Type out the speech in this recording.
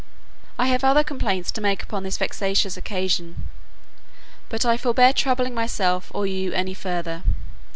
I have other complaints to make upon this vexatious occasion; but I forbear troubling myself or you any further.